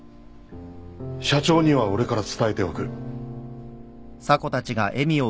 社長には俺から伝えておく。